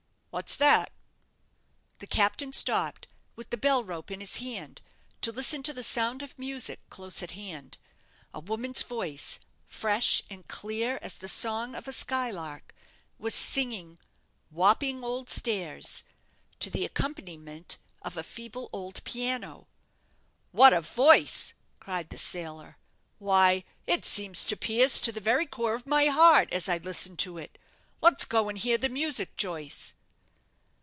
What's that?" The captain stopped, with the bell rope in his hand, to listen to the sound of music close at hand. A woman's voice, fresh and clear as the song of a sky lark, was singing "Wapping Old Stairs," to the accompaniment of a feeble old piano. "What a voice!" cried the sailor. "Why, it seems to pierce to the very core of my heart as I listen to it. Let's go and hear the music, Joyce."